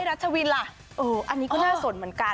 อันนี้ไม่รู้เหมือนว่า